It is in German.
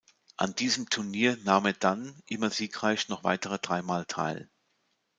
An diesem Turnier nahm er dann, immer siegreich, noch weitere dreimal teil.